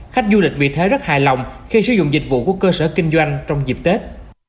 khách du lịch vì thế rất hài lòng khi sử dụng dịch vụ của cơ sở kinh doanh trong dịp tết